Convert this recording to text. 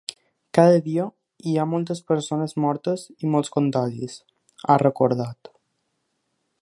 “Cada dia hi ha moltes persones mortes i molts contagis”, ha recordat.